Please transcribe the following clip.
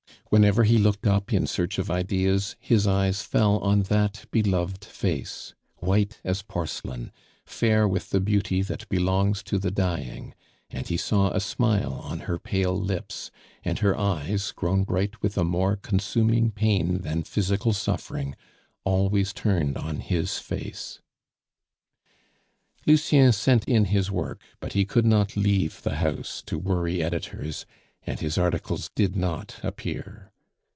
Whenever he looked up in search of ideas, his eyes fell on that beloved face, white as porcelain, fair with the beauty that belongs to the dying, and he saw a smile on her pale lips, and her eyes, grown bright with a more consuming pain than physical suffering, always turned on his face. Lucien sent in his work, but he could not leave the house to worry editors, and his articles did not appear.